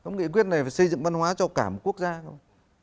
nghị quyết này phải xây dựng văn hóa cho cả một quốc gia thôi